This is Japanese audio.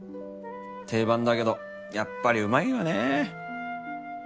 定番だけどやっぱりうまいよね。